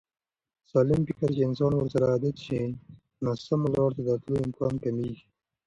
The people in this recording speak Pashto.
. سالم فکر چې انسان ورسره عادت شي، ناسمو لارو ته د تلو امکان کمېږي.